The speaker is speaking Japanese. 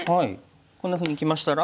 こんなふうにきましたら。